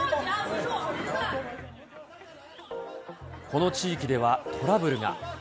この地域では、トラブルが。